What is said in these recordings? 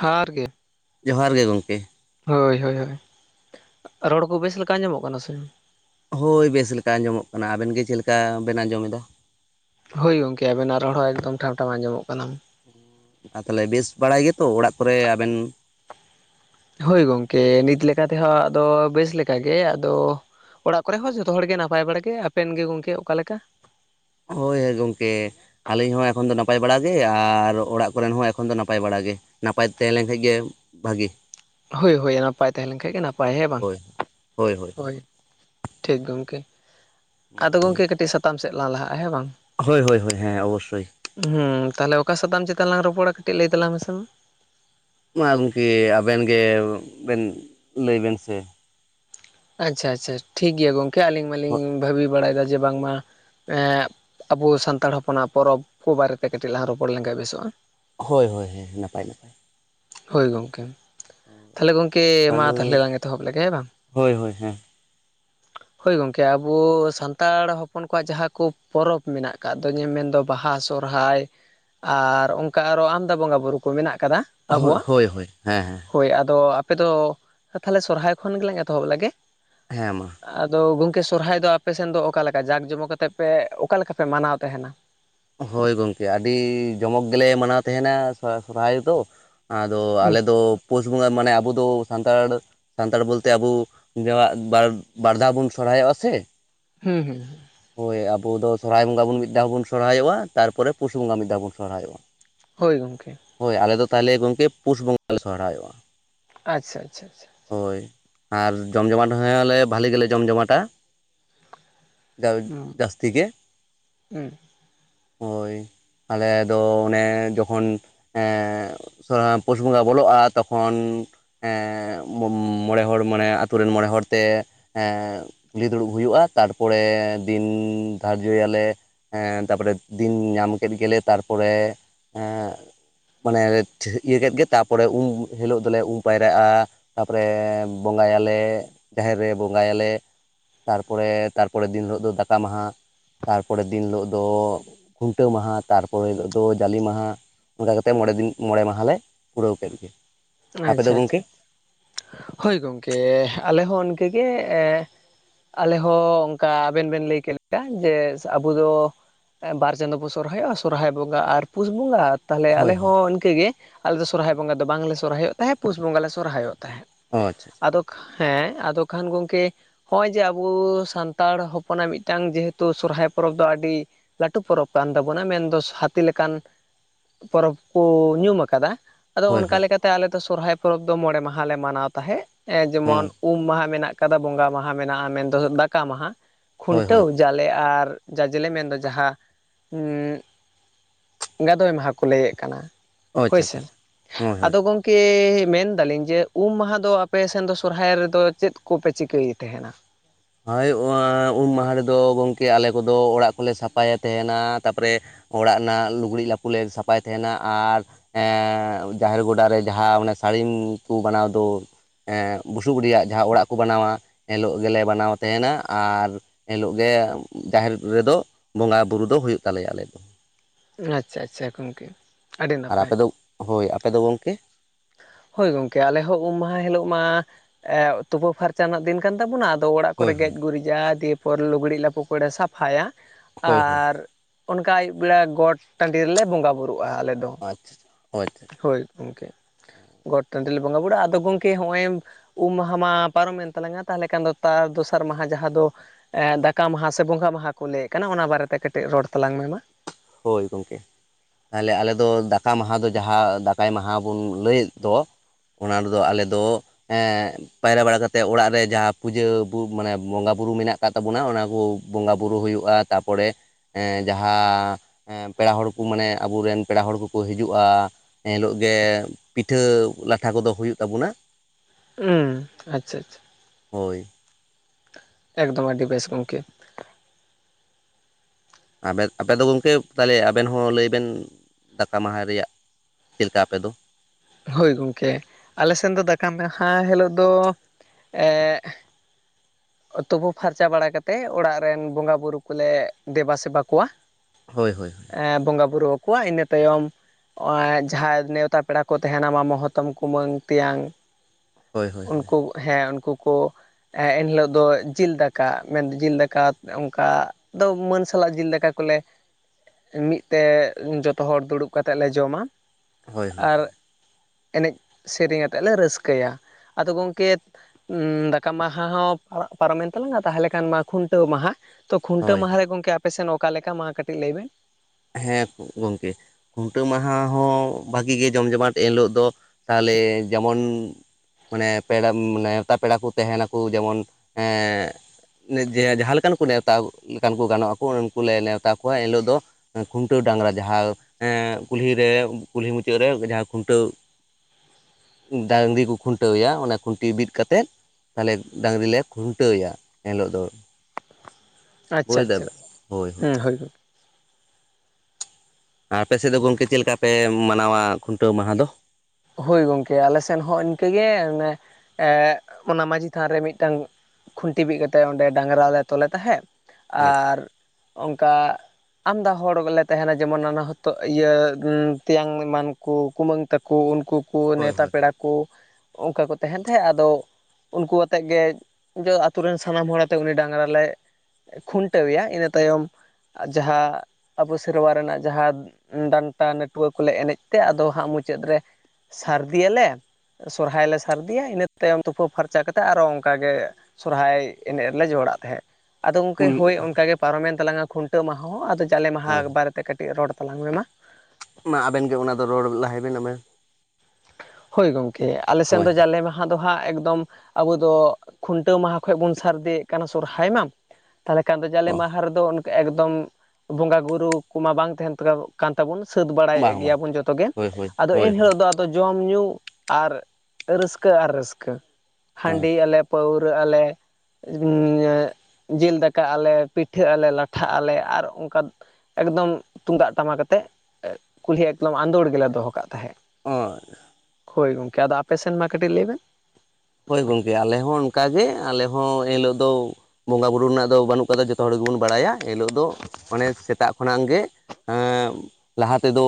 ᱦᱟᱨ ᱜᱮ ᱡᱚᱦᱟᱨ ᱜᱮ ᱜᱚᱢᱠᱮ ᱦᱳᱭ ᱦᱳᱭ ᱦᱳᱭ ᱨᱚᱲ ᱠᱚ ᱵᱮᱥ ᱞᱮᱠᱟ ᱟᱡᱚᱢᱚᱜ ᱠᱟᱱᱟ ᱥᱮ ᱦᱳᱭ ᱵᱮᱥ ᱞᱮᱠᱟ ᱟᱸᱡᱚᱢᱚᱜ ᱠᱟᱱᱟ ᱟᱵᱮᱱ ᱜᱮ ᱪᱮᱫ ᱞᱮᱠᱟ ᱵᱮᱱ ᱟᱸᱡᱚᱢ ᱮᱫᱟ ᱦᱳᱭ ᱜᱚᱝᱠᱮ ᱟᱵᱮᱱᱟᱜ ᱨᱚᱲ ᱦᱚᱸ ᱮᱠᱫᱚᱢ ᱴᱷᱟᱢᱴᱷᱟᱢ ᱟᱸᱡᱚᱢᱚᱜ ᱠᱟᱱᱟ ᱟᱨ ᱛᱟᱦᱚᱞᱮ ᱵᱮᱥ ᱵᱟᱲᱟ ᱜᱮᱛᱚ ᱚᱲᱟᱜ ᱠᱚᱨᱮ ᱟᱵᱮᱱ ᱦᱳᱭ ᱜᱚᱢᱠᱮ ᱱᱤᱛ ᱞᱮᱠᱟ ᱛᱮᱦᱚᱸ ᱟᱫᱚ ᱵᱮᱥ ᱞᱮᱠᱟ ᱜᱮ ᱟᱫᱚ ᱚᱲᱟᱜ ᱠᱚᱨᱮᱦᱚᱸ ᱡᱚᱛᱚ ᱦᱚᱲ ᱜᱮ ᱱᱟᱯᱟᱭ ᱵᱟᱲᱜᱮ ᱟᱯᱮᱱ ᱜᱮ ᱜᱚᱝᱠᱮ ᱚᱠᱟᱞᱮᱠᱟ ᱦᱳᱭ ᱦᱳᱭ ᱜᱚᱢᱠᱮ ᱟᱹᱞᱤᱧ ᱦᱚᱸ ᱮᱠᱷᱚᱱ ᱫᱚ ᱱᱟᱯᱟᱭ ᱵᱟᱲᱟᱜᱟᱜᱮ ᱟᱨ ᱚᱲᱟᱜ ᱠᱚᱨᱮᱱ ᱦᱚᱸ ᱮᱠᱷᱚᱱ ᱫᱚ ᱱᱟᱯᱟᱭ ᱵᱟᱲᱟᱜᱮ ᱱᱟᱯᱟᱭ ᱛᱟᱦᱮᱸ ᱞᱮᱱᱠᱟᱡ ᱜᱮ ᱵᱷᱟᱜᱤ ᱦᱳᱭ ᱦᱳᱭ ᱱᱟᱯᱟᱭ ᱛᱟᱦᱮᱸ ᱞᱮᱱᱠᱷᱟᱡ ᱜᱮ ᱱᱟᱯᱟᱭ ᱦᱮᱸ ᱵᱟᱝ ᱦᱳᱭ ᱦᱳᱭ ᱴᱷᱤᱠ ᱜᱚᱝᱠᱮ ᱟᱫᱚ ᱜᱚᱝᱠᱮ ᱠᱟᱹᱴᱤᱡ ᱥᱟᱛᱟᱢ ᱥᱮᱫ ᱞᱟᱝ ᱞᱟᱦᱟᱜᱼᱟ ᱦᱮᱸ ᱵᱟᱝ ᱦᱳᱭ ᱦᱳᱭ ᱦᱳᱭ ᱦᱮᱸ ᱚᱵᱚᱥᱥᱳᱭ ᱦᱮᱸ ᱛᱟᱦᱞᱮ ᱚᱠᱟ ᱥᱟᱛᱟᱢ ᱪᱮᱛᱟᱱ ᱞᱟᱝ ᱨᱚᱯᱚᱲᱟ ᱠᱟᱹᱴᱤᱡ ᱞᱟᱹᱭ ᱛᱟᱞᱟᱝ ᱢᱮᱥᱮ ᱢᱟ ᱢᱟ ᱜᱚᱢᱠᱮ ᱟᱵᱮᱱ ᱜᱮ ᱵᱮᱱ ᱞᱟᱹᱭ ᱵᱮᱱ ᱥᱮ ᱟᱪᱪᱷᱟ ᱟᱪᱪᱷᱟ ᱴᱷᱤᱠᱜᱮᱭᱟ ᱜᱚᱝᱠᱮ ᱟᱞᱤᱧ ᱢᱟᱞᱤᱧ ᱵᱷᱟᱹᱵᱤ ᱵᱟᱲᱟᱭᱮᱫᱟ ᱡᱮ ᱵᱟᱝᱢᱟ ᱮᱻᱟᱵᱳ ᱥᱟᱱᱛᱟᱲ ᱦᱚᱯᱚᱱᱟᱜ ᱯᱚᱨᱚᱵᱽ ᱠᱚ ᱵᱟᱨᱮᱛᱮ ᱠᱟᱹᱴᱤᱡ ᱞᱟᱦᱟ ᱨᱚᱯᱚᱲ ᱞᱮᱱᱠᱷᱟᱱ ᱵᱮᱥᱚᱜᱼᱟ ᱦᱳᱭ ᱦᱳᱭ ᱱᱟᱯᱟᱭ ᱦᱳᱭ ᱜᱚᱢᱠᱮ ᱛᱟᱦᱞᱮ ᱜᱚᱢᱠᱮ ᱢᱟ ᱛᱟᱦᱚᱞᱮ ᱛᱟᱦᱞᱮ ᱞᱟᱝ ᱮᱛᱚᱦᱚᱵ ᱞᱮᱜᱮ ᱦᱮᱸ ᱵᱟᱝ ᱦᱳᱭ ᱦᱳᱭ [unintelligible] ᱦᱳᱭ ᱜᱚᱢᱠᱮ ᱟᱵᱚ ᱥᱟᱱᱛᱟᱲ ᱦᱚᱯᱚᱱ ᱠᱚᱣᱟᱜ ᱡᱟᱦᱟᱸ ᱠᱚ ᱯᱚᱨᱚᱵᱽ ᱢᱮᱱᱟᱜ ᱟᱠᱟᱫ ᱫᱚ ᱡᱮ ᱢᱮᱱᱫᱚ ᱵᱟᱦᱟ ᱥᱚᱦᱚᱨᱟᱭ ᱟᱨ ᱚᱱᱠᱟ ᱟᱨᱚ ᱟᱢᱫᱟ ᱵᱚᱸᱜᱟ ᱵᱩᱨᱩ ᱠᱚ ᱢᱮᱱᱟᱜ ᱟᱠᱟᱫᱟ ᱦᱳᱭ ᱟᱵᱚᱣᱟᱜ ᱦᱳᱭ ᱦᱮᱸ ᱦᱮᱸ ᱦᱳᱭ ᱟᱫᱚ ᱟᱯᱮᱫᱚ ᱛᱟᱦᱚᱞᱮ ᱥᱚᱨᱦᱟᱭ ᱠᱷᱚᱱ ᱜᱮᱞᱟᱝ ᱮᱛᱚᱦᱚᱵ ᱞᱮᱜᱮ ᱦᱮᱸ ᱢᱟ ᱟᱫᱚ ᱜᱚᱢᱠᱮ ᱥᱚᱨᱦᱟᱭ ᱫᱚ ᱟᱯᱮ ᱥᱮᱱ ᱫᱚ ᱚᱠᱟᱞᱮ ᱞᱮᱠᱟ ᱡᱟᱠ ᱡᱚᱢᱚ ᱠᱟᱛᱮᱫ ᱯᱮ ᱚᱠᱟ ᱞᱮᱠᱟ ᱯᱮ ᱢᱟᱱᱟᱣ ᱛᱟᱦᱮᱱᱟ ᱦᱳᱭ ᱜᱚᱝᱠᱮ ᱟᱹᱰᱤ ᱡᱚᱢᱚᱠ ᱜᱮᱞᱮ ᱢᱟᱱᱟᱣ ᱛᱟᱦᱮᱱᱟ ᱥᱚᱨᱚᱦᱟᱭ ᱫᱚ ᱟᱫᱚ ᱦᱩᱸ ᱟᱞᱮᱫᱚ ᱯᱩᱥ ᱵᱚᱸᱜᱟ ᱢᱟᱱᱮ ᱟᱵᱚ ᱫᱚ ᱥᱟᱱᱛᱟᱲ ᱥᱟᱱᱛᱟᱲ ᱵᱚᱞᱛᱮ ᱟᱵᱚ ᱡᱚᱣᱟᱜ ᱵᱟᱨ ᱫᱷᱟᱣ ᱵᱚᱱ ᱥᱚᱨᱦᱟᱭᱚᱜᱼᱟ ᱥᱮ ᱦᱩᱸ ᱦᱩᱸᱸ ᱦᱳᱭ ᱟᱵᱚᱫᱚ ᱥᱚᱨᱦᱟᱭ ᱵᱚᱸᱜᱟ ᱵᱚᱱ ᱢᱤᱫ ᱫᱷᱟᱣ ᱵᱚᱱ ᱥᱚᱨᱚᱨᱟᱭᱚᱜᱼᱟ ᱛᱟᱨᱯᱚᱨᱮ ᱯᱩᱥ ᱵᱚᱸᱜᱟ ᱢᱤᱫ ᱫᱷᱟᱣ ᱵᱚᱱ ᱥᱚᱦᱚᱨᱟᱭᱚᱜᱼᱟ ᱦᱳᱭ ᱜᱚᱢᱠᱮ ᱦᱳᱭ ᱟᱞᱮ ᱫᱚ ᱛᱟᱦᱚᱞᱮ ᱜᱚᱝᱠᱮ ᱯᱩᱥ ᱵᱚᱸᱜᱟ ᱞᱮ ᱥᱚᱦᱚᱨᱟᱭᱚᱜᱼᱟ ᱟᱪᱪᱷᱟ ᱟᱪᱪᱷᱟ ᱦᱳᱭ ᱟᱨ ᱡᱚᱢ ᱡᱚᱢᱟᱴ ᱦᱚᱸᱞᱮ ᱵᱷᱟᱹᱞᱤ ᱜᱮᱞᱮ ᱡᱚᱢ ᱡᱚᱢᱟᱴᱟ ᱡᱟᱹᱥᱛᱤ ᱜᱮ ᱦᱩᱸ ᱦᱳᱭ ᱟᱞᱮ ᱫᱚ ᱚᱱᱮ ᱡᱚᱠᱷᱚᱱ ᱮᱻ ᱯᱩᱥ ᱵᱚᱸᱜᱟ ᱵᱚᱞᱚᱜᱼᱟ ᱛᱚᱠᱷᱚᱱ ᱮᱻ ᱢᱚᱬᱮ ᱦᱚᱲ ᱢᱟᱱᱮ ᱟᱛᱳ ᱨᱮᱱ ᱢᱚᱬᱮ ᱦᱚᱲᱛᱮ ᱮᱻ ᱠᱩᱞᱦᱤ ᱫᱩᱲᱩᱵ ᱦᱩᱭᱩᱜᱼᱟ ᱛᱟᱨᱯᱚᱨᱮ ᱫᱤᱱ ᱫᱷᱟᱨᱡᱚᱭᱟᱞᱮ [unintelligible] ᱮᱸ ᱛᱟᱨᱯᱚᱨᱮ ᱫᱤᱱ ᱧᱟᱢ ᱠᱮᱫ ᱜᱮᱞᱮ ᱛᱟᱨᱯᱚᱨᱮ ᱮᱻ ᱢᱟᱱᱮ ᱤᱭᱟᱹ ᱠᱮᱫ ᱜᱮ ᱛᱟᱨᱯᱚᱨᱮ ᱩᱢ ᱦᱤᱞᱳᱜ ᱫᱚᱞᱮ ᱩᱢ ᱯᱟᱭᱨᱟᱜᱼᱟ ᱛᱟᱯᱚᱨᱮ ᱵᱚᱸᱜᱟᱭᱟᱞᱮ ᱡᱟᱦᱮᱨ ᱨᱮ ᱵᱚᱸᱜᱟᱭᱟᱞᱮ ᱛᱟᱨᱯᱚᱨᱮ ᱛᱟᱨᱯᱚᱨᱮ ᱫᱤᱱ ᱦᱤᱞᱳᱜ ᱫᱚ ᱫᱟᱠᱟ ᱢᱟᱦᱟ ᱛᱟᱨᱯᱚᱨᱮ ᱫᱤᱱ ᱦᱤᱞᱳᱜ ᱫᱚ ᱠᱷᱩᱱᱴᱟᱹᱣ ᱢᱟᱦᱟ ᱛᱟᱨᱯᱚᱨᱮ ᱦᱤᱞᱳᱜ ᱫᱚ ᱡᱟᱞᱮ ᱢᱟᱦᱟ ᱚᱱᱠᱟ ᱠᱟᱛᱮᱫ ᱢᱚᱲᱮ ᱫᱤᱱ ᱢᱚᱬᱮ ᱢᱟᱦᱟ ᱞᱮ ᱯᱩᱨᱟᱹᱣ ᱠᱮᱫ ᱜᱮ ᱟᱯᱮ ᱫᱚ ᱟᱪᱪᱷᱟ ᱟᱪᱪᱷᱟ ᱜᱚᱢᱠᱮ ᱦᱳᱭ ᱜᱚᱝᱠᱮ ᱟᱞᱮ ᱦᱚᱸ ᱚᱱᱠᱮ ᱜᱮ ᱟᱞᱮ ᱦᱚᱸ ᱚᱱᱠᱟ ᱟᱵᱮᱱ ᱵᱮᱱ ᱞᱟᱹᱭ ᱠᱮᱫ ᱞᱮᱠᱟ ᱡᱮ ᱟᱵᱚ ᱫᱚ ᱵᱟᱨ ᱪᱟᱸᱫᱳ ᱵᱚ ᱥᱚᱦᱚᱨᱟᱭᱚᱜᱼᱟ ᱥᱚᱨᱦᱟᱭ ᱵᱚᱸᱜᱟ ᱟᱨ ᱯᱩᱥ ᱵᱚᱸᱜᱟ ᱛᱟᱦᱚᱞᱮ ᱦᱳᱭ ᱟᱞᱮ ᱦᱳᱭ ᱦᱚᱸ ᱤᱱᱠᱟᱹᱜᱮ ᱟᱞᱮ ᱥᱚᱨᱦᱟᱭ ᱵᱚᱸᱜᱟ ᱫᱚ ᱵᱟᱝᱞᱮ ᱥᱚᱨᱦᱟᱭᱚᱜ ᱛᱟᱦᱮᱸᱫ ᱯᱩᱥ ᱵᱚᱸᱜᱟ ᱞᱮ ᱥᱚᱨᱦᱟᱭᱚᱜ ᱛᱟᱦᱮᱸᱫ ᱚ ᱟᱪᱪᱷᱟ ᱟᱫᱚ ᱦᱮᱸ ᱟᱫᱚ ᱠᱷᱟᱱ ᱜᱚᱢᱠᱮ ᱦᱚᱜᱼᱚᱭ ᱡᱮ ᱟᱵᱚ ᱥᱟᱱᱛᱟᱲ ᱦᱚᱯᱚᱱᱟᱜ ᱢᱤᱫᱴᱟᱝ ᱡᱮᱦᱮᱛᱩ ᱥᱚᱨᱦᱟᱭ ᱯᱚᱨᱚᱵᱽ ᱫᱚ ᱟᱹᱰᱤ ᱞᱟᱹᱴᱩ ᱯᱚᱨᱚᱵᱽ ᱠᱟᱱ ᱛᱟᱵᱚᱱᱟ ᱢᱮᱱᱫᱚ ᱦᱟᱹᱛᱤ ᱞᱮᱠᱟᱱ ᱯᱚᱨᱚᱵᱽ ᱠᱩ ᱧᱩᱢ ᱟᱠᱟᱫᱟ ᱟᱫᱚ ᱦᱳᱭ ᱚᱱᱠᱟ ᱦᱳᱭ ᱞᱮᱠᱟᱛᱮ ᱟᱞᱮ ᱫᱚ ᱥᱚᱨᱦᱟᱭ ᱯᱚᱨᱚᱵᱽ ᱫᱚ ᱢᱚᱬᱮ ᱢᱟᱦᱟᱞ ᱞᱮ ᱢᱟᱱᱟᱣ ᱛᱟᱦᱮᱸᱫ ᱦᱮᱸ ᱡᱮᱢᱚᱱ ᱩᱢ ᱢᱟᱦᱟ ᱢᱮᱱᱟᱜ ᱠᱟᱫᱟ ᱵᱚᱸᱜᱟ ᱢᱟᱦᱟ ᱢᱮᱱᱟᱜᱼᱟ ᱢᱮᱱᱫᱚ ᱫᱟᱠᱟ ᱢᱟᱦᱟ ᱦᱳᱭ ᱦᱳᱭ ᱠᱷᱩᱱᱴᱟᱹᱣ ᱡᱟᱞᱮ ᱟᱨ ᱡᱟᱡᱞᱮ ᱢᱮᱱᱫᱚ ᱡᱟᱦᱟᱸ ᱩᱸ ᱜᱟᱫᱳᱭ ᱢᱟᱦᱟ ᱠᱚ ᱞᱟᱹᱭᱮᱫ ᱠᱟᱱᱟ ᱚ ᱟᱪᱪᱷᱟ ᱦᱳᱭ ᱥᱮ᱾ ᱟᱪᱪᱷᱟ ᱦᱳᱭ ᱦᱳᱭ ᱜᱚᱢᱠᱮ ᱢᱮᱱᱫᱟᱞᱤᱧ ᱡᱮ ᱩᱢ ᱢᱟᱦᱟ ᱫᱚ ᱟᱯᱮ ᱥᱮᱱ ᱫᱚ ᱥᱚᱨᱟᱭ ᱨᱮᱫᱚ ᱪᱮᱫ ᱠᱚᱯᱮ ᱪᱤᱠᱟᱹᱭᱮᱫ ᱛᱟᱦᱮᱸᱱᱟ? ᱦᱳᱭ ᱩᱢ ᱢᱟᱦᱟ ᱨᱮᱫᱚ ᱜᱚᱢᱠᱮ ᱟᱞᱮ ᱠᱚᱫᱚ ᱚᱲᱟᱜ ᱠᱚᱞᱮ ᱥᱟᱯᱷᱟᱭᱮᱫ ᱛᱟᱦᱮᱸᱱᱟ, ᱛᱟᱨᱯᱚᱨᱮ ᱚᱲᱟᱜ ᱨᱮᱱᱟᱜ ᱞᱩᱜᱽᱲᱤᱡ ᱞᱟᱯᱚ ᱞᱮ ᱥᱟᱯᱷᱟᱭ ᱛᱟᱦᱮᱸᱱᱟ, ᱟᱨ ᱮᱸᱻ ᱡᱟᱦᱮᱨ ᱜᱚᱰᱟ ᱨᱮ ᱡᱟᱦᱟᱸ ᱚᱱᱟ ᱥᱟᱹᱲᱤᱢ ᱠᱩ ᱵᱟᱱᱟᱣ ᱫᱚ ᱵᱩᱥᱩᱵ ᱨᱮᱭᱟᱜ ᱡᱟᱦᱟᱸ ᱚᱲᱟᱜ ᱠᱚ ᱵᱮᱱᱟᱣᱟ, ᱮᱱᱤᱞᱳᱜ ᱜᱮᱞᱮ ᱵᱮᱱᱟᱣ ᱛᱟᱦᱮᱸᱱᱟ ᱟᱨ ᱮᱱᱤᱞᱳᱜ ᱜᱮ ᱡᱟᱦᱮᱨ ᱨᱮᱫᱚ ᱵᱚᱸᱜᱟ ᱵᱩᱨᱩ ᱫᱚ ᱦᱩᱭᱩᱜ ᱛᱟᱞᱮᱭᱟ ᱟᱞᱮ ᱫᱚ᱾ ᱟᱪᱪᱷᱟ ᱟᱪᱪᱷᱟ ᱜᱚᱝᱠᱮ᱾ ᱟᱨ ᱟᱯᱮ ᱫᱚ ᱦᱳᱭ ᱟᱯᱮ ᱫᱚ ᱜᱚᱢᱠᱮ? ᱦᱳᱭ ᱜᱚᱝᱠᱮ ᱟᱞᱮᱦᱚᱸ ᱩᱢ ᱢᱟᱦᱟ ᱦᱤᱞᱳᱜ ᱢᱟ ᱛᱩᱯᱳ ᱯᱷᱟᱨ ᱪᱟᱜ ᱫᱤᱱ ᱠᱟᱱ ᱛᱟᱵᱚᱱᱟ ᱟᱫᱚ ᱚᱲᱟᱜ ᱦᱳᱭ ᱠᱚᱨᱮ ᱦᱳᱭ ᱜᱮᱡ ᱜᱩᱨᱤᱡᱟ ᱫᱤᱭᱮ ᱯᱚᱨ ᱞᱩᱜᱽᱲᱤᱡ ᱞᱟᱯᱚ ᱠᱚᱨᱮ ᱥᱟᱯᱷᱟᱭᱟ᱾ ᱦᱳᱭ ᱦᱳᱭ ᱟᱨ ᱚᱱᱠᱟ ᱟᱹᱭᱩᱵ ᱵᱮᱲᱟ ᱜᱚᱴ ᱴᱟᱺᱰᱤ ᱨᱮᱞᱮ ᱵᱚᱸᱜᱟ ᱵᱩᱨᱩᱜᱼᱟ ᱟᱞᱮ ᱫᱚ᱾ ᱟᱪᱪᱷᱟ ᱦᱳᱭ ᱟᱪᱪᱷᱟ᱾ ᱦᱳᱭ ᱜᱚᱢᱠᱮ ᱜᱚᱴ ᱴᱟᱺᱰᱤ ᱞᱮ ᱵᱚᱸᱜᱟ ᱵᱩᱨᱩᱜ ᱟᱫᱚ ᱜᱚᱢᱠᱮ ᱦᱚᱜᱼᱚᱭ ᱩᱢ ᱢᱟᱸᱦᱟ ᱢᱟ ᱯᱟᱨᱚᱢᱮᱱ ᱛᱟᱞᱟᱝᱟ ᱛᱟᱦᱚᱞᱮ ᱠᱷᱟᱱ ᱫᱚ ᱛᱟᱨ ᱫᱚᱥᱟᱨ ᱢᱟᱸᱦᱟ ᱡᱟᱦᱟᱸ ᱫᱚ, ᱫᱟᱠᱟ ᱢᱟᱸᱦᱟ ᱥᱮ ᱵᱚᱸᱜᱟ ᱢᱟᱦᱟ ᱠᱚ ᱞᱟᱹᱭᱮᱫ ᱠᱟᱱᱟ ᱚᱱᱟ ᱵᱟᱨᱮᱛᱮ ᱠᱟᱹᱴᱤᱡ ᱨᱚᱲ ᱛᱟᱞᱟᱝ ᱢᱮ ᱢᱟ᱾ ᱦᱳᱭ ᱜᱚᱢᱠᱮ᱾ ᱛᱟᱦᱚᱞᱮ ᱟᱞᱮ ᱫᱚ ᱫᱟᱠᱟ ᱢᱟᱦᱟ ᱫᱚ ᱡᱟᱦᱟᱸ ᱫᱟᱠᱟᱭ ᱢᱟᱦᱟ ᱵᱚᱱ ᱞᱟᱹᱭᱮᱫ ᱫᱚ, ᱚᱱᱟ ᱨᱮᱫᱚ ᱟᱞᱮᱫᱚ ᱮ ᱯᱟᱭᱨᱟ ᱵᱟᱲᱟ ᱠᱟᱛᱮᱫ ᱚᱲᱟᱜ ᱨᱮ ᱡᱟᱦᱟᱸ ᱯᱩᱡᱟᱹ ᱢᱟᱱᱮ ᱵᱚᱸᱜᱟ ᱵᱩᱨᱩ ᱢᱮᱱᱟᱜ ᱟᱠᱟᱫ ᱛᱟᱵᱚᱱᱟ, ᱚᱱᱟ ᱠᱚ ᱵᱚᱸᱜᱟ ᱵᱩᱨᱩ ᱦᱩᱭᱩᱜᱼᱟ᱾ ᱛᱟ ᱯᱚᱨᱮ ᱮᱸᱻ ᱡᱟᱦᱟᱸ ᱦᱮᱸ ᱯᱮᱲᱟ ᱦᱚᱲ ᱠᱩ ᱢᱟᱱᱮ ᱟᱵᱚᱨᱮᱱ ᱯᱮᱲᱟ ᱦᱚᱲ ᱠᱚᱠᱚ ᱦᱤᱡᱩᱜᱼᱟ᱾ ᱮᱱᱦᱤᱞᱳᱜ ᱜᱮ ᱯᱤᱴᱷᱟᱹ ᱞᱟᱴᱷᱟ ᱠᱚᱫᱚ ᱦᱩᱭᱩᱜ ᱛᱟᱵᱚᱱᱟ᱾ ᱩᱸᱻ ᱟᱪᱪᱷᱟ ᱟᱪᱪᱷᱟ᱾ ᱦᱳᱭ᱾ ᱮᱠᱫᱚᱢ ᱟᱹᱰᱤ ᱵᱮᱥ ᱜᱚᱢᱠᱮ᱾ ᱟᱵᱮᱱ ᱟᱯᱮᱫ ᱫᱚ ᱜᱚᱢᱠᱮ ᱛᱟᱦᱚᱞᱮ ᱟᱵᱮᱱ ᱦᱚᱸ ᱞᱟᱹᱭ ᱵᱮᱱ ᱫᱟᱠᱟ ᱢᱟᱦᱟ ᱨᱮᱭᱟᱜ ᱪᱮᱫ ᱞᱮᱠᱟ ᱟᱯᱮ ᱫᱚ? ᱦᱳᱭ ᱜᱚᱢᱠᱮ ᱟᱞᱮᱥᱮᱱ ᱫᱚ ᱫᱟᱠᱟ ᱢᱟᱦᱟ ᱦᱤᱞᱳᱜ ᱫᱚ ᱮᱻ ᱛᱩᱯᱳ ᱯᱷᱟᱨᱪᱟ ᱵᱟᱲᱟ ᱠᱟᱛᱮᱫ ᱚᱲᱟᱜ ᱨᱮᱱ ᱵᱚᱸᱜᱟ ᱵᱩᱨᱩ ᱠᱚᱞᱮ ᱫᱮᱵᱟ ᱥᱮᱵᱟ ᱠᱚᱣᱟ᱾ ᱦᱳᱭ ᱦᱳᱭ᱾ ᱵᱚᱸᱜᱟ ᱵᱳᱨᱩ ᱟᱠᱚᱣᱟ ᱤᱱᱟᱹ ᱛᱟᱭᱚᱢ ᱚ ᱡᱟᱦᱟᱸᱭ ᱱᱮᱣᱛᱟ ᱯᱮᱲᱟ ᱠᱚ ᱛᱟᱸᱦᱮᱱᱟᱢᱟ ᱢᱚᱦᱚᱛᱚᱢᱼᱠᱩᱢᱟᱹᱝ, ᱛᱮᱭᱟᱝ ᱦᱳᱭ ᱦᱳᱭ ᱦᱳᱭ ᱩᱱᱠᱩ ᱦᱮᱸ ᱩᱱᱠᱩ ᱠᱚ ᱮᱱᱦᱤᱞᱳᱜ ᱫᱚ ᱡᱤᱞ ᱫᱟᱠᱟ ᱢᱮᱱ ᱡᱤᱞ ᱫᱟᱠᱟ ᱚᱱᱠᱟ ᱫᱚ ᱢᱟᱹᱱ ᱥᱟᱞᱟᱜ ᱡᱤᱞ ᱫᱟᱠᱟ ᱠᱚᱞᱮ ᱢᱤᱫ ᱛᱮ ᱡᱷᱚᱛᱚ ᱦᱚᱲ ᱫᱩᱲᱩᱵ ᱠᱟᱛᱮᱫ ᱞᱮ ᱡᱚᱢᱟ᱾ ᱦᱳᱭ ᱦᱳᱭ ᱟᱨ ᱮᱱᱮᱡ ᱥᱮᱨᱮᱧ ᱟᱛᱮᱫ ᱞᱮ ᱨᱟᱹᱥᱠᱟᱹᱭᱟ, ᱟᱫᱚ ᱜᱚᱢᱠᱮ ᱩᱸᱻ ᱫᱟᱠᱟ ᱢᱟᱦᱟ ᱦᱚᱸ ᱯᱟᱨᱚᱢᱮᱱ ᱛᱟᱞᱟᱝᱟ ᱛᱟᱦᱚᱞᱮᱟᱱ ᱢᱟ ᱠᱷᱩᱱᱴᱟᱹᱣ ᱢᱟᱦᱟ, ᱛᱚ ᱠᱷᱩᱱᱴᱟᱹ ᱦᱳᱭ ᱦᱳᱭ ᱢᱟᱦᱟ ᱨᱮ ᱜᱚᱝᱠᱮ ᱟᱯᱮᱥᱮᱱ ᱚᱠᱟ ᱞᱮᱠᱟ ᱢᱟ ᱠᱟᱹᱴᱤᱡ ᱞᱟᱹᱭᱵᱮᱱ? ᱦᱮᱸ ᱜᱚᱢᱠᱮ᱾ ᱠᱷᱩᱱᱴᱟᱹᱣ ᱢᱟᱦᱟ ᱦᱚᱸ ᱵᱷᱟᱹᱜᱤ ᱜᱮ ᱡᱚᱢ ᱡᱚᱢᱟᱴ ᱮᱱᱦᱤᱞᱳᱜ ᱫᱚ ᱛᱟᱦᱚᱞᱮ ᱡᱮᱢᱚᱱ ᱢᱟᱱᱮ ᱯᱮᱲᱟ ᱱᱮᱣᱛᱟ ᱯᱮᱲᱟ ᱠᱚ ᱛᱟᱦᱮᱱᱟᱠᱚ ᱡᱮᱢᱚᱱ ᱮᱸ ᱡᱮ ᱡᱟᱦᱟᱸ ᱞᱮᱠᱟᱱ ᱠᱚ ᱱᱮᱣᱛᱟ ᱞᱮᱠᱟᱱ ᱠᱚ ᱜᱟᱱᱚᱜᱼᱟ ᱩᱱᱠᱩᱞᱮ ᱱᱮᱣᱛᱟ ᱠᱚᱣᱟ ᱮᱱᱦᱤᱞᱳᱜ ᱫᱚ᱾ ᱠᱷᱩᱱᱴᱟᱹᱣ ᱰᱟᱝᱨᱟ ᱡᱟᱦᱟᱸ ᱮᱸ ᱠᱩᱞᱦᱤᱨ ᱨᱮ ᱠᱩᱞᱦᱤ ᱢᱩᱪᱟᱹᱫ ᱨᱮ ᱡᱟᱦᱟᱸ ᱠᱷᱩᱱᱴᱟᱹᱣ ᱰᱟᱹᱝᱨᱤ ᱠᱚ ᱠᱷᱩᱱᱴᱟᱹᱣ ᱮᱭᱟ ᱚᱱᱟ ᱠᱷᱩᱱᱴᱤ ᱵᱤᱫ ᱠᱟᱛᱮᱜ᱾ ᱛᱟᱦᱞᱮ ᱰᱟᱝᱨᱤᱞ ᱞᱮ ᱠᱷᱩᱱᱴᱟᱹᱣᱭᱟ ᱮᱱᱦᱤᱞᱳᱜ ᱫᱚ᱾ ᱟᱪᱪᱷᱟ ᱵᱳᱭ ᱟᱪᱪᱷᱟ ᱫᱟᱵᱮ ᱦᱳᱭ ᱦᱳᱭ ᱦᱮᱸ ᱜᱚᱢᱠᱮ᱾ ᱟᱨ ᱟᱯᱮ ᱥᱮᱫ ᱫᱚ ᱜᱚᱢᱠᱮ ᱪᱮᱫ ᱞᱮᱠᱟ ᱯᱮ ᱢᱟᱱᱟᱣᱟ ᱠᱷᱩᱱᱴᱟᱹᱣ ᱢᱟᱦᱟ ᱫᱚ? ᱦᱳᱭ ᱜᱚᱝᱠᱮ ᱟᱞᱮ ᱥᱮᱱ ᱦᱚᱸ ᱤᱱᱠᱟᱹᱜᱮ ᱚᱱᱮ ᱮ ᱚᱱᱟ ᱢᱟᱺᱡᱷᱤ ᱛᱷᱟᱱ ᱨᱮ ᱢᱤᱫᱴᱟᱝ ᱠᱷᱩᱱᱴᱤ ᱵᱤᱫ ᱠᱟᱛᱮᱫ ᱚᱸᱰᱮ ᱰᱟᱝᱨᱟ ᱞᱮ ᱛᱚᱞᱮᱫ ᱛᱟᱦᱮᱸᱫ ᱟᱪᱪᱷᱟ ᱟᱨ ᱚᱱᱠᱟ ᱟᱢᱫᱟ ᱦᱚᱲ ᱜᱮᱞᱮ ᱛᱟᱦᱮᱱᱟ ᱡᱮᱢᱚᱱ ᱱᱟᱱᱟ ᱦᱚᱛᱚ ᱤᱭᱟᱹ ᱛᱮᱭᱟᱝ ᱮᱢᱟᱱ ᱠᱚ ᱠᱩᱢᱟᱹᱝ ᱛᱟᱠᱚ᱾ ᱠᱚ ᱩᱱᱠᱩ ᱠᱚ ᱦᱳᱭ ᱱᱮᱶᱛᱟ ᱦᱳᱭ ᱯᱮᱲᱟ ᱠᱚ ᱚᱱᱠᱟ ᱠᱚ ᱛᱟᱦᱮᱱ ᱛᱟᱦᱮᱸᱫ ᱟᱫᱚ ᱩᱱᱠᱩ ᱟᱛᱮᱜ ᱜᱮ ᱟᱹᱛᱩ ᱨᱮᱱ ᱥᱟᱱᱟᱢ ᱦᱚᱲ ᱟᱛᱮ ᱩᱱᱤ ᱰᱟᱝᱨᱟ ᱞᱮ ᱠᱷᱩᱱᱴᱟᱹᱣ ᱮᱭᱟ ᱤᱱᱟᱹ ᱛᱟᱭᱚᱢ ᱡᱟᱦᱟᱸ ᱟᱵᱚ ᱥᱮᱨᱣᱟ ᱨᱮᱱᱟᱜ ᱡᱟᱦᱟᱸ ᱰᱟᱱᱴᱟ ᱱᱟᱹᱴᱣᱟᱹ ᱠᱚᱞᱮ ᱮᱱᱮᱡ ᱛᱮ ᱟᱫᱚ ᱦᱟᱸᱜ ᱢᱩᱪᱟᱹᱫ ᱨᱮ ᱥᱟᱨᱫᱤᱭᱟᱞᱮ ᱥᱚᱦᱭ ᱞᱮ ᱥᱟᱨᱫᱤᱭᱟ ᱤᱱᱟᱹ ᱛᱟᱭᱚᱢ ᱛᱩᱯᱩ ᱯᱷᱟᱨᱪᱟ ᱠᱟᱛᱮᱫ ᱟᱨᱚ ᱚᱱᱠᱟᱜᱮ ᱥᱚᱨᱦᱟᱭ ᱮᱱᱮᱡ ᱨᱮᱞᱮ ᱡᱚᱲᱟᱜ ᱛᱟᱦᱮᱸᱫ᱾ ᱟᱫᱚ ᱜᱚᱢᱠᱮ ᱠᱩᱞ ᱦᱳᱭ ᱚᱱᱠᱟᱜ ᱜᱮ ᱯᱟᱨᱚᱢᱮᱱ ᱛᱟᱞᱟᱝᱟ ᱠᱷᱩᱱᱴᱟᱹᱣ ᱢᱟᱦᱟ ᱦᱚᱸ ᱟᱫᱚ ᱡᱟᱞᱮ ᱢᱟᱦᱟ ᱦᱳᱭ ᱵᱟᱨᱮᱛᱮ ᱠᱟᱹᱤᱡ ᱨᱚᱲ ᱛᱟᱞᱟᱝ ᱢᱮᱢᱟ ᱢᱟ ᱟᱵᱮᱱ ᱜᱮ ᱚᱱᱟᱫᱚ ᱨᱚᱲ ᱞᱟᱦᱟᱭᱵᱮᱱ ᱟᱵᱮᱱ? ᱦᱳᱭ ᱜᱚᱢᱠᱮ ᱟᱞᱮ ᱥᱮᱱ ᱫᱚ ᱦᱳᱭ ᱡᱟᱞᱮ ᱢᱟ ᱟᱫᱚ ᱦᱟᱸᱜ ᱮᱠᱫᱚᱢ ᱟᱵᱚ ᱫᱚ ᱠᱷᱩᱱᱴᱟᱹᱣ ᱢᱟᱦᱟ ᱠᱷᱚᱱ ᱵᱚᱱ ᱥᱟᱨᱫᱤᱭᱮᱜ ᱠᱟᱱᱟ ᱥᱚᱨᱦᱟᱭ ᱢᱟ᱾ ᱛᱟᱦᱚᱞᱮ ᱠᱷᱟᱱ ᱫᱚ ᱡᱟᱞᱮ ᱚ ᱢᱟᱦᱟ ᱨᱮᱫᱚ ᱮᱠᱫᱚᱢ ᱵᱚᱸᱜᱟ ᱵᱩᱨᱩ ᱠᱚᱢᱟ ᱵᱟᱝ ᱛᱟᱦᱮᱱ ᱛᱟᱠᱚ ᱠᱟᱱ ᱛᱟᱵᱚᱱ ᱥᱟᱹᱛ ᱵᱟᱲᱟᱭᱮᱫ ᱵᱟᱝ ᱵᱟᱝ ᱜᱮᱭᱟᱵᱚᱱ ᱡᱚᱛᱚᱜ ᱜᱮ ᱦᱳᱭ ᱦᱳᱭ ᱟᱫᱚ ᱦᱳᱭ ᱦᱳᱭ ᱮᱱᱦᱤᱞᱳᱜ ᱫᱚ ᱟᱫᱚ ᱡᱚᱢ ᱡᱚᱢ ᱧᱩ ᱟᱨ ᱨᱟᱹᱥᱠᱟᱹ ᱟᱨ ᱨᱟᱹᱥᱠᱟᱹ ᱦᱟᱺᱰᱤ ᱟᱪᱪᱷᱟ ᱟᱞᱮ ᱯᱟᱹᱣᱨᱟᱹᱜ ᱟᱞᱮ, ᱡᱤᱞ ᱫᱟᱠᱟᱜ ᱟᱞᱮ, ᱯᱤᱴᱷᱟᱹᱜ ᱟᱞᱮ, ᱞᱟᱴᱷᱟᱜ ᱟᱞᱮ ᱟᱨ ᱚᱱᱠᱟ ᱮᱠᱫᱚᱢ ᱛᱩᱢᱫᱟᱜ ᱴᱟᱢᱟᱠᱛᱮᱜ ᱠᱩᱞᱦᱤ ᱮᱠᱫᱚᱢ ᱟᱸᱫᱳᱲ ᱜᱮᱞᱮ ᱫᱚᱦᱚ ᱠᱟᱜ ᱛᱟᱦᱮᱸᱫ᱾ [unintelligible] ᱦᱳᱭ ᱜᱚᱢᱠᱮ ᱟᱫᱚ ᱟᱯᱮᱥᱮᱱ ᱢᱟ ᱠᱟᱹᱴᱤᱡ ᱞᱟᱹᱭᱵᱮᱱ? ᱦᱳᱭ ᱜᱚᱝᱠᱮ ᱟᱞᱮ ᱦᱚᱸ ᱚᱱᱠᱟᱜᱮ ᱟᱞᱮ ᱦᱚᱸ ᱮᱱᱦᱤᱞᱳᱜ ᱫᱚ ᱵᱚᱸᱜᱟ ᱵᱩᱨᱩ ᱨᱮᱱᱟᱜ ᱫᱚ ᱵᱟᱹᱱᱩᱜ ᱠᱟᱫᱟ ᱡᱚᱛᱚ ᱦᱚᱲ ᱜᱮᱵᱚᱱ ᱵᱟᱲᱟᱭᱟ ᱮᱱᱦᱤᱞᱳᱜ ᱫᱚ ᱢᱟᱱᱮ ᱥᱮᱛᱟᱜ ᱠᱷᱚᱱᱟᱜ ᱜᱮ ᱦᱮᱸ ᱞᱟᱦᱟ ᱛᱮᱫᱚ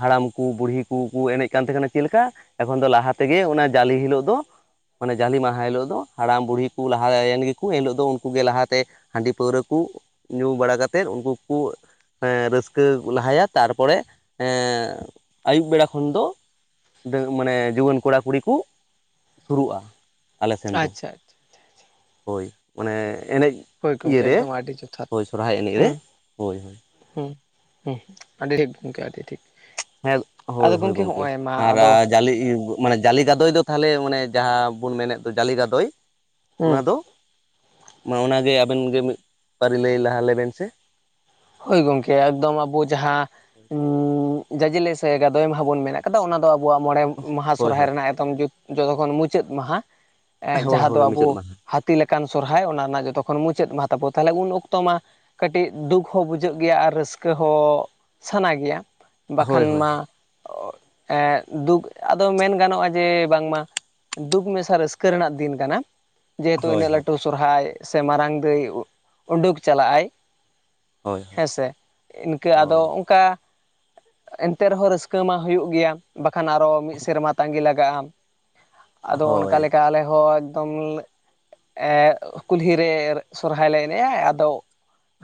ᱦᱟᱲᱟᱢ ᱠᱚ ᱵᱩᱲᱦᱤ ᱠᱚᱠᱚ ᱮᱱᱮᱡ ᱠᱟᱱ ᱛᱟᱦᱮᱸ ᱠᱟᱱᱟ ᱪᱮᱫ ᱞᱮᱠᱟ ᱮᱠᱷᱚᱱ ᱫᱚ ᱞᱟᱦᱟ ᱛᱮᱜᱮ ᱚᱱᱟ ᱡᱟᱞᱮ ᱦᱤᱞᱳᱜ ᱫᱚ ᱢᱟᱱᱮ ᱡᱟᱞᱮ ᱢᱟᱦᱟ ᱦᱤᱞᱳᱜ ᱫᱚ ᱦᱟᱲᱟᱢ ᱵᱩᱲᱦᱤ ᱠᱚ ᱞᱟᱦᱟᱭᱮᱱ ᱜᱮᱠᱚ ᱮᱱ ᱦᱤᱞᱳᱜ ᱫᱚ ᱩᱱᱠᱩᱜ ᱜᱮ ᱞᱟᱦᱟᱛᱮ ᱦᱟᱺᱰᱤ ᱯᱟᱹᱣᱨᱟᱹ ᱠᱚ ᱧᱩ ᱵᱟᱲᱟ ᱠᱟᱛᱮᱫ ᱩᱱᱠᱩ ᱠᱚ ᱮ ᱨᱟᱹᱥᱠᱟᱹ ᱞᱟᱦᱟᱭᱟ ᱛᱟᱨᱯᱚᱨᱮ ᱟᱹᱭᱩᱵ ᱵᱮᱲᱟ ᱠᱷᱚᱱ ᱫᱚ ᱢᱟᱱᱮ ᱡᱩᱣᱟᱹᱱ ᱠᱚᱲᱟ ᱠᱩᱲᱤ ᱠᱚ ᱥᱩᱨᱩᱜ-ᱟ ᱟᱞᱮᱥᱮᱱ ᱫᱚ ᱟᱪᱪᱷᱟ ᱟᱪᱪᱷᱟ ᱦᱳᱭ ᱢᱟᱱᱮ ᱮᱱᱮᱡ ᱦᱳᱭ ᱜᱚᱢᱠᱮ ᱤᱭᱟᱹᱨᱮ ᱮᱠᱫᱚᱢ ᱟᱹᱰᱤ ᱦᱳᱭ ᱥᱚᱨᱦᱟᱭ ᱮᱱᱮᱡ ᱨᱮ ᱦᱳᱭ ᱦᱳᱭ᱾ ᱦᱮᱸ ᱦᱮᱸ ᱟᱹᱰᱤ ᱴᱷᱤᱠ ᱜᱚᱢᱠᱮ ᱟᱹᱰᱤ ᱴᱷᱤᱠ᱾ ᱦᱮᱸ ᱦᱳᱭ ᱟᱫᱚ ᱦᱳᱭ ᱜᱚᱢᱠᱮ ᱦᱚᱸᱜᱼᱚᱭ ᱢᱟ ᱟᱨ ᱟᱫᱚ ᱡᱟᱞᱮ ᱢᱟᱱᱮ ᱡᱟᱞᱤ ᱜᱟᱫᱚᱭ ᱫᱚ ᱛᱟᱦᱚᱞᱮ ᱢᱟᱱᱮ ᱡᱟᱦᱟᱸ ᱵᱚᱱ ᱢᱮᱱᱮᱫ ᱫᱚ ᱡᱟᱞᱤ ᱜᱟᱫᱚᱭ᱾ ᱦᱩᱸ ᱚᱱᱟ ᱫᱚ ᱢᱟ ᱚᱱᱟᱜᱮ ᱟᱵᱮᱱ ᱜᱮ ᱢᱤᱫ ᱯᱟᱹᱨᱤ ᱞᱟᱹᱭ ᱞᱟᱦᱟ ᱞᱮᱵᱮᱱ ᱥᱮ ᱦᱳᱭ ᱜᱚᱢᱠᱮ ᱮᱠᱫᱚᱢ ᱟᱵᱚ ᱡᱟᱦᱟᱸ ᱡᱟᱡᱮᱞᱮ ᱥᱮ ᱜᱟᱫᱚᱭ ᱢᱟᱦᱟ ᱵᱚᱱ ᱢᱮᱱ ᱠᱟᱫᱟ ᱚᱱᱟ ᱫᱚ ᱟᱵᱚᱣᱟᱜ ᱢᱚᱬᱮ ᱢᱟᱦᱟ ᱦᱳᱭ ᱥᱚᱨᱦᱟᱭ ᱦᱳᱭ ᱨᱮᱱᱟᱜ ᱮᱠᱫᱚᱢ ᱡᱚᱛᱚᱠᱷᱚᱱ ᱢᱩᱪᱟᱹᱫ ᱢᱟᱦᱟ ᱦᱳᱭ ᱡᱟᱦᱟᱸ ᱫᱚ ᱦᱳᱭ ᱟᱵᱚ ᱢᱩᱪᱟᱹᱫ ᱢᱟᱦᱟ ᱦᱟ ᱦᱟᱹᱛᱤ ᱞᱮᱠᱟᱱ ᱥᱚᱨᱦᱟᱭ ᱚᱱᱟ ᱨᱮᱱᱟᱜ ᱡᱚᱛᱚ ᱠᱷᱚᱱ ᱢᱩᱪᱟᱹᱫ ᱢᱟᱦᱟ ᱛᱟᱵᱚᱱ ᱛᱟᱦᱚᱞᱮ ᱩᱱ ᱚᱠᱛᱚ ᱢᱟ ᱠᱟᱹᱴᱤᱡ ᱫᱩᱠ ᱦᱚᱸ ᱵᱩᱡᱷᱟᱹᱜ ᱜᱮᱭᱟ ᱟᱨ ᱨᱟᱹᱥᱠᱟᱹ ᱦᱚᱸ ᱥᱟᱱᱟ ᱜᱮᱭᱟ ᱵᱟᱠᱷᱟᱱ ᱦᱳᱭ ᱦᱳᱭ ᱢᱟ ᱫᱩᱠ ᱟᱫᱚ ᱢᱮᱱ ᱜᱟᱱᱚᱜ-ᱟ ᱡᱮ ᱵᱟᱝᱢᱟ ᱫᱩᱠ ᱢᱮᱥᱟ ᱨᱟᱹᱥᱠᱟᱹ ᱨᱮᱱᱟᱜ ᱫᱤᱱ ᱠᱟᱱᱟ ᱡᱮᱦᱮᱛᱩ ᱦᱳᱭ ᱤᱱᱟᱹᱜ ᱦᱳᱭ ᱞᱟᱹᱴᱩ ᱥᱚᱨᱦᱟᱭ ᱥᱮ ᱢᱟᱨᱟᱝ ᱫᱟᱹᱭ ᱩᱰᱩᱠ ᱪᱟᱞᱟᱜ-ᱟᱭ ᱦᱳᱭ ᱦᱮᱸᱥᱮ ᱤᱱᱠᱟᱹ ᱟᱫᱚ ᱦᱳᱭ ᱚᱱᱠᱟ ᱮᱱᱛᱮ ᱨᱮᱦᱚᱸ ᱨᱟᱹᱥᱠᱟᱹ ᱢᱟ ᱦᱩᱭᱩᱜ ᱜᱮᱭᱟ᱾ ᱵᱟᱠᱷᱟᱱ ᱟᱨᱚ ᱢᱤᱫ ᱥᱮᱨᱢᱟ ᱛᱟᱸᱜᱤ ᱞᱟᱜᱟᱜ-ᱟ ᱟᱫᱚ ᱚᱱᱠᱟ ᱦᱳᱭ ᱞᱮᱠᱟ ᱟᱞᱮ ᱦᱚᱸ ᱮᱠᱫᱚᱢ ᱮᱜ ᱠᱩᱦᱞᱤ ᱨᱮ ᱥᱚᱨᱦᱟᱭ ᱞᱮ ᱮᱱᱮᱡ-ᱟ ᱟᱫᱚ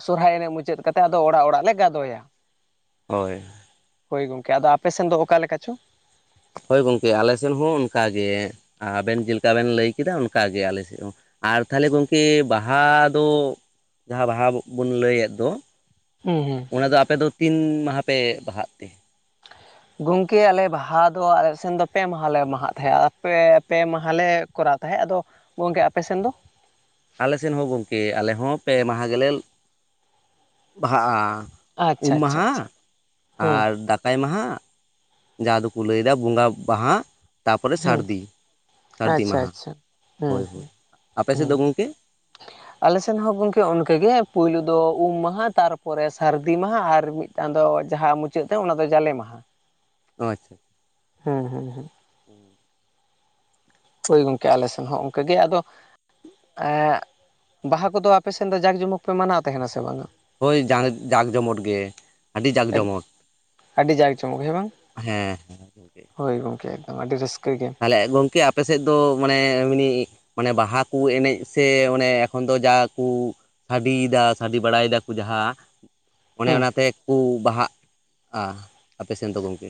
ᱥᱚᱨᱦᱟᱭ ᱮᱱᱮᱡ ᱢᱩᱪᱟᱹᱫ ᱢᱩᱪᱟᱹᱫ ᱠᱟᱛᱮ ᱟᱫᱚ ᱚᱲᱟᱜ ᱚᱲᱟᱜ ᱞᱮ ᱜᱟᱫᱚᱭᱟ ᱦᱳᱭ ᱦᱳᱭ ᱜᱚᱝᱠᱮ ᱟᱫᱚ ᱟᱯᱮᱥᱱ ᱫᱚ ᱚᱠᱟ ᱞᱮᱠᱟ ᱪᱚ ᱦᱳᱭ ᱜᱚᱝᱠᱮ ᱟᱞᱮᱥᱮᱫ ᱦᱚᱸ ᱚᱱᱠᱟᱜᱮ ᱟᱵᱮᱱ ᱡᱮᱞᱮᱠᱟ ᱵᱮᱱ ᱞᱟᱹᱭ ᱠᱮᱫᱟ ᱚᱱᱠᱟᱜᱮ ᱟᱞᱮᱥᱮᱫ ᱦᱚᱸ ᱟᱨ ᱛᱟᱦᱞᱮ ᱜᱚᱢᱠᱮ ᱵᱟᱦᱟ ᱫᱚ ᱡᱟᱦᱟᱸ ᱵᱟᱦᱟ ᱵᱚᱱ ᱞᱟᱹᱭᱮᱫ ᱫᱚ ᱦᱩᱸ ᱦᱩᱸ ᱚᱱᱟ ᱫᱚ ᱟᱯᱮ ᱫᱚ ᱛᱤᱱ ᱢᱟᱦᱟ ᱯᱮ ᱵᱟᱦᱟᱜ ᱛᱮ ᱜᱚᱢᱠᱮ ᱟᱞᱮ ᱵᱟᱦᱟ ᱫᱚ ᱟᱞᱮ ᱥᱮᱱ ᱫᱚ ᱯᱮ ᱢᱟᱦᱟᱞᱮ ᱢᱟᱦᱟᱜ ᱛᱟᱦᱮᱸᱫ ᱯᱮ ᱢᱟᱦᱮ ᱞᱮ ᱠᱚᱨᱟᱣ ᱛᱟᱦᱮᱸᱫ ᱟᱫᱚ ᱜᱚᱝᱠᱮ ᱟᱯᱮᱥᱮᱱ ᱫᱚ ᱟᱞᱮ ᱥᱮᱱ ᱦᱚᱸ ᱜᱚᱝᱠᱮ ᱟᱞᱮ ᱦᱚᱸ ᱯᱮ ᱢᱟᱦᱟ ᱜᱮᱞᱮ ᱵᱟᱦᱟᱜᱼᱟ ᱟᱪᱪᱷᱟ ᱩᱢ ᱟᱪᱪᱷᱟ ᱢᱟᱦᱟ ᱟᱪᱪᱷᱟ ᱦᱩᱸ ᱟᱨ ᱫᱟᱠᱟᱭ ᱢᱟᱦᱟ ᱡᱟᱦᱟᱸ ᱫᱚᱠᱚ ᱞᱟᱹᱭ ᱫᱟ ᱵᱚᱸᱜᱟ ᱢᱟᱦᱟ ᱛᱟᱯᱚᱨᱮ ᱦᱩᱸ ᱥᱟᱹᱨᱫᱤ ᱥᱟᱹᱨᱫᱤ ᱟᱪᱪᱷᱟ ᱢᱟᱦᱟ ᱟᱪᱪᱷᱟ ᱦᱩᱸ ᱦᱳᱭ ᱦᱳᱭ ᱟᱯᱮ ᱥᱮᱫ ᱫᱚ ᱜᱚᱢᱠᱮ [inaudible] ᱟᱞᱮᱥᱮᱱ ᱦᱚᱸ ᱜᱚᱢᱠᱮ ᱚᱱᱠᱟᱜᱮ ᱯᱩᱭᱞᱩ ᱫᱚ ᱩᱢ ᱢᱟᱦᱟ ᱛᱟᱨᱯᱚᱨᱮ ᱥᱟᱹᱨᱫᱤ ᱢᱟᱦᱟ ᱟᱨ ᱢᱤᱫ ᱢᱤᱫᱴᱟᱝ ᱫᱚ ᱡᱟᱦᱟᱸ ᱢᱩᱪᱟᱹᱫ ᱛᱮ ᱚᱱᱟᱫᱚ ᱡᱟᱞᱮ ᱢᱟᱦᱟ ᱟᱪᱷᱟ ᱦᱮᱸ ᱦᱮᱸ ᱦᱮᱸ ᱦᱳᱭ ᱜᱚᱝᱠᱮ ᱟᱞᱮ ᱥᱮᱱ ᱦᱚᱸ ᱚᱱᱠᱟᱜᱮ ᱟᱫᱚ ᱮᱜ ᱵᱟᱦᱟ ᱠᱚᱫᱚ ᱟᱯᱮ ᱥᱮᱱ ᱫᱚ ᱡᱟᱠᱼ ᱡᱚᱢᱚᱠ ᱯᱮ ᱢᱟᱱᱟᱣ ᱛᱟᱦᱮᱱᱟ ᱥᱮ ᱵᱟᱝ ᱟ ᱦᱳᱭ ᱡᱟᱠ ᱡᱚᱢᱚᱴ ᱜᱮ ᱟᱹᱰᱤ ᱡᱟᱠ ᱡᱚᱢᱚᱴ ᱟᱹᱰᱤ ᱡᱟᱠ ᱡᱚᱢᱚᱠ ᱦᱮᱸ ᱵᱟᱝ ᱦᱮᱸ ᱦᱮᱸ ᱦᱳᱭ ᱜᱚᱢᱠᱮ ᱮᱠᱫᱚᱢ ᱟᱹᱰᱤ ᱨᱟᱹᱥᱠᱟᱹ ᱜᱮ ᱛᱟᱦᱞᱮ ᱜᱚᱝᱠᱮ ᱟᱯᱮᱥᱮᱫ ᱫᱚ ᱢᱟᱱᱮ ᱮᱢᱱᱤ ᱢᱟᱱᱮ ᱵᱟᱦᱟ ᱠᱚ ᱮᱱᱮᱡ ᱥᱮ ᱚᱱᱮ ᱮᱠᱷᱚᱱ ᱫᱚ ᱡᱟ ᱠᱩ ᱥᱟᱰᱤ ᱫᱟ ᱥᱟᱰᱤ ᱵᱟᱲᱟᱭ ᱫᱟᱠᱚ ᱡᱟᱦᱟᱸ ᱚᱱᱮ ᱦᱩᱸ ᱚᱱᱟᱛᱮᱠᱚ ᱵᱟᱦᱟᱜᱼᱟ ᱟᱯᱮ ᱥᱮᱱ ᱫᱚ ᱜᱚᱢᱠᱮ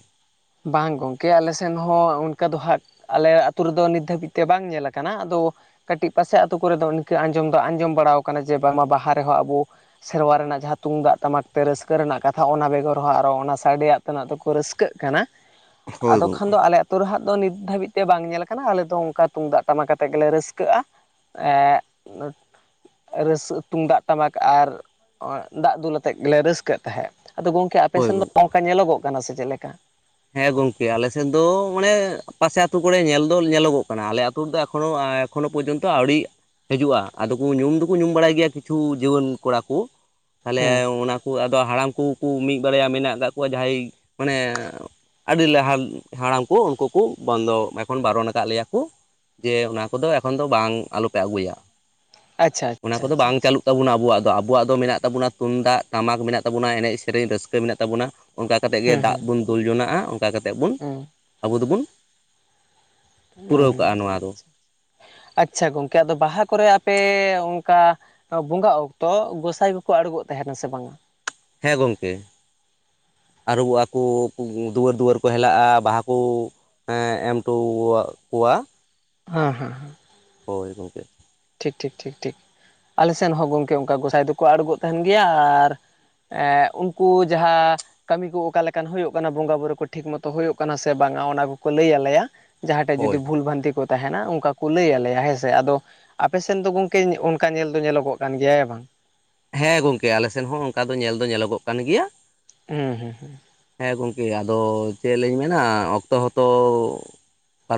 ᱵᱟᱝ ᱜᱚᱝᱠᱮ ᱟᱞᱮ ᱥᱮᱱ ᱦᱚᱸ ᱚᱱᱠᱟ ᱫᱚ ᱦᱟᱸᱜ ᱟᱞᱮ ᱟᱹᱛᱩ ᱨᱮᱫᱚ ᱱᱤᱛ ᱫᱷᱟ. ᱵᱤᱡ ᱛᱮ ᱵᱟᱝ ᱧᱮᱞ ᱠᱟᱱᱟ ᱠᱟᱹᱴᱤᱡ ᱯᱟᱥᱮ ᱟᱹᱛᱩ ᱠᱚᱨᱮ ᱫᱚ ᱤᱱᱠᱟᱹ ᱟᱸᱡᱚᱢ ᱫᱚ ᱟᱸᱡᱚᱢ ᱵᱟᱲᱟ ᱠᱟᱱᱟ ᱡᱮ ᱵᱟᱝᱢᱟ ᱵᱟᱦᱟ ᱨᱮᱦᱚᱸ ᱟᱵᱚ ᱥᱮᱨᱣᱟ ᱨᱮᱱᱟᱜ ᱡᱟᱦᱟᱸ ᱛᱩᱢᱫᱟᱜ ᱴᱟᱢᱟᱠ ᱛᱮ ᱨᱟᱹᱥᱠᱟᱹ ᱨᱮᱱᱟᱜ ᱠᱟᱛᱷᱟ ᱚᱱᱟ ᱵᱮᱜᱚᱨ ᱦᱚᱸ ᱟᱨᱚ ᱚᱱᱟ ᱥᱟᱰᱮᱭᱟᱜ ᱛᱮᱱᱟᱜ ᱛᱮᱠᱚ ᱨᱟᱹᱥᱠᱟᱹᱜ ᱠᱟᱱᱟ ᱦᱳᱭ ᱟᱫᱚ ᱠᱷᱟᱱ ᱜᱚᱝᱠᱮ ᱫᱚ ᱟᱞᱮ ᱟᱛᱳ ᱨᱮᱦᱟᱜ ᱫᱚ ᱱᱤᱛ ᱫᱷᱟᱹᱵᱤᱡ ᱛᱮ ᱵᱟᱝ ᱧᱮᱞ ᱠᱟᱱᱟ ᱟᱞᱮ ᱫᱚ ᱚᱱᱠᱟ ᱛᱩᱢᱫᱟᱜ ᱴᱟᱢᱟᱠ ᱟᱛᱮᱫ ᱜᱮᱞᱮ ᱨᱟᱹᱥᱠᱟᱹᱜᱼᱟ ᱮᱜ ᱨᱟᱹᱥ ᱛᱩᱢᱫᱟᱜ ᱴᱟᱢᱟᱠ ᱟᱨ ᱫᱟᱜ ᱫᱩᱞ ᱟᱛᱮᱫ ᱜᱮᱞᱮ ᱨᱟᱹᱥᱠᱟᱹᱜ ᱛᱟᱦᱮᱸᱫ ᱟᱫᱚ ᱜᱚᱝᱠᱮ ᱟᱯᱮ ᱦᱳᱭ ᱥᱮᱱ ᱫᱚ ᱜᱚᱝᱠᱮ ᱚᱱᱠᱟ ᱧᱮᱞᱚᱜᱚᱜ ᱠᱟᱱᱟ ᱥᱮ ᱪᱮᱫ ᱞᱮᱠᱟ ᱦᱮᱸ ᱜᱚᱝᱠᱮ ᱟᱞᱮᱥᱮᱫ ᱫᱚ ᱢᱟᱱᱮ ᱯᱟᱥᱮ ᱟᱹᱛᱩ ᱠᱚᱨᱮ ᱧᱮᱞ ᱫᱚ ᱧᱮᱞᱚᱜᱚᱜ ᱠᱟᱱᱟ ᱟᱞᱮ ᱟᱹᱛᱩ ᱨᱮᱫᱚ ᱮᱠᱷᱚᱱᱚ ᱮᱠᱷᱚᱱᱳ ᱯᱚᱨᱡᱚᱱᱛᱚ ᱟᱹᱣᱲᱤ ᱦᱤᱡᱩᱜᱼᱟ ᱟᱫᱚ ᱠᱚ ᱧᱩᱢ ᱫᱩᱠᱩ ᱧᱩᱢ ᱵᱟᱲᱟᱭ ᱜᱮᱭᱟ ᱠᱤᱪᱷᱩ ᱡᱩᱣᱟᱹᱱ ᱠᱚᱲᱟ ᱠᱚ ᱛᱟᱦᱚᱞᱮ ᱦᱩᱸ ᱚᱱᱟ ᱠᱩ ᱟᱫᱚ ᱦᱟᱲᱟᱢ ᱠᱩᱠᱩ ᱢᱤᱫ ᱵᱟᱨᱭᱟ ᱢᱮᱱᱟᱜ ᱠᱟᱫ ᱠᱚᱣᱟ ᱡᱟᱦᱟᱸᱭ ᱢᱟᱱᱮ ᱟᱹᱰᱤ ᱞᱟᱦᱟ ᱦᱟᱲᱟᱢ ᱠᱚ ᱩᱱᱠᱩ ᱠᱚ ᱵᱚᱱᱫᱚ ᱮᱠᱷᱚᱱ ᱵᱟᱨᱚᱱ ᱟᱠᱟᱫ ᱞᱮᱭᱟ ᱠᱚ ᱡᱮ ᱚᱱᱟ ᱠᱚᱫᱚ ᱮᱠᱷᱚᱱ ᱫᱚ ᱵᱟᱝ ᱟᱞᱚᱯᱮ ᱟᱹᱜᱩᱭᱟ ᱟᱪᱪᱷᱟ ᱚᱱᱟ ᱟᱪᱪᱷᱟ ᱠᱚᱫᱚ ᱟᱪᱪᱷᱟ ᱵᱟᱝ ᱟᱪᱪᱷᱟ ᱪᱟᱹᱞᱩᱜ ᱛᱵᱚᱱᱟ ᱟᱵᱚᱣᱟᱜ ᱫᱚ ᱟᱵᱚᱣᱟᱜ ᱫᱚ ᱢᱮᱱᱟᱜ ᱛᱟᱵᱚᱱᱟ ᱛᱩᱢᱫᱟᱜ ᱴᱟᱢᱟᱠ ᱢᱮᱱᱟᱜ ᱛᱟᱵᱚᱱᱟ ᱮᱱᱮᱡ ᱥᱮᱨᱮᱧ ᱨᱟᱹᱥᱠᱟᱹ ᱢᱮᱱᱟᱜ ᱛᱟᱵᱚᱱᱟ ᱚᱱᱠᱟ ᱠᱟᱛᱮᱫ ᱜᱮ ᱦᱩᱸ ᱫᱟᱜ ᱵᱚᱱ ᱫᱩᱞ ᱡᱚᱱᱟᱜᱼᱟ ᱚᱱᱠᱟ ᱠᱟᱛᱮᱫ ᱵᱚᱱ ᱦᱩᱸ ᱟᱵᱚ ᱫᱚᱵᱚᱱ ᱦᱮᱸ ᱯᱩᱨᱟᱹᱣ ᱠᱟᱜᱼᱟ ᱱᱚᱣᱟ ᱫᱚ ᱟᱪᱪᱷᱟ ᱜᱚᱝᱠᱮ ᱟᱫᱚ ᱵᱟᱦᱟ ᱠᱚᱨᱮ ᱟᱯᱮ ᱚᱱᱠᱟ ᱵᱚᱸᱜᱟᱜ ᱚᱠᱛᱚ ᱜᱚᱸᱥᱟᱭ ᱠᱚᱠᱚ ᱟᱬᱜᱚᱜ ᱛᱟᱦᱮᱱᱟ ᱥᱮ ᱵᱟᱝ ᱟ ᱦᱮᱸ ᱜᱚᱢᱠᱮ ᱟᱹᱨᱩᱵᱚᱜᱼᱟ ᱠᱩ ᱫᱩᱣᱟᱹᱨ ᱫᱩᱣᱟᱹᱨ ᱠᱚ ᱦᱮᱞᱟᱜᱼᱟ ᱵᱟᱦᱟ ᱠᱩ ᱮᱸ ᱮᱢ ᱴᱚ ᱠᱚᱣᱟ ᱦᱟᱸ ᱦᱟᱸ ᱦᱳᱭ ᱜᱚᱝᱠᱮ ᱴᱷᱤᱠ ᱴᱷᱤᱠ ᱴᱷᱤᱠ ᱴᱷᱤᱠ ᱟᱞᱮ ᱥᱮᱱ ᱦᱚᱸ ᱜᱚᱢᱠᱮ ᱚᱱᱠᱟ ᱜᱚᱸᱥᱟᱭ ᱫᱚᱠᱚ ᱟᱬᱜᱚ ᱛᱟᱦᱮᱱ ᱜᱮᱭᱟ ᱟᱨ ᱮᱻᱩᱱᱠᱩ ᱡᱟᱦᱟᱸ ᱠᱟᱹᱢᱤ ᱠᱚ ᱚᱠᱟ ᱞᱮᱠᱟᱱ ᱦᱩᱭᱩᱜ ᱠᱟᱱᱟ ᱵᱚᱸᱜᱟᱼ ᱵᱩᱨᱩ ᱠᱚ ᱴᱷᱤᱠ ᱢᱚᱛᱳ ᱦᱩᱭᱩᱜ ᱠᱟᱱᱟ ᱥᱮ ᱵᱟᱝᱟ ᱚᱱᱟ ᱠᱚᱠᱚ ᱞᱟᱹᱭ ᱟᱞᱮᱭᱟ ᱡᱟᱦᱟᱸ ᱴᱷᱮᱡ ᱦᱳᱭ ᱡᱩᱫᱤ ᱵᱷᱩᱞ ᱵᱷᱟᱱᱛᱤ ᱠᱚ ᱛᱟᱦᱮᱱᱟ ᱚᱱᱠᱟ ᱠᱚ ᱞᱟᱹᱭ ᱟᱞᱮᱭᱟ ᱦᱮᱸᱥᱮ ᱟᱫᱚ ᱟᱯᱮ ᱥᱮᱱ ᱫᱚ ᱜᱚᱝᱠᱮ ᱚᱱᱠᱟ ᱧᱮᱞ ᱫᱚ ᱧᱮᱞᱚᱜᱚᱜ ᱠᱟᱱ ᱜᱮᱭᱟ ᱦᱮ ᱵᱟᱝ ᱦᱮᱸ ᱜᱚᱝᱠᱮ ᱟᱞᱮ ᱥᱮᱱ ᱦᱚᱸ ᱚᱱᱠᱟ ᱫᱚ ᱧᱮᱞ ᱫᱚ ᱧᱮᱞᱚᱜᱚᱜ ᱠᱟᱱ ᱜᱮᱭᱟ ᱦᱩᱸ ᱦᱩᱸ ᱦᱩᱸ ᱦᱮᱸ ᱜᱚᱝᱠᱮ ᱟᱫᱚ ᱪᱮᱫ ᱞᱤᱧ ᱢᱮᱱᱟ ᱚᱠᱛᱚ ᱦᱚᱸ ᱛᱚ